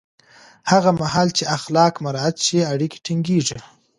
هغه مهال چې اخلاق مراعت شي، اړیکې ټینګېږي.